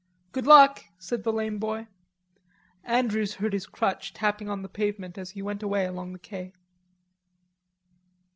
"Good luck!" said the lame boy. Andrews heard his crutch tapping on the pavement as he went away along the quai.